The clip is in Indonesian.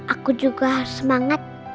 aku juga harus semangat